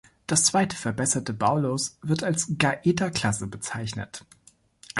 Das zweite, verbesserte Baulos wird als "Gaeta"-Klasse bezeichnet.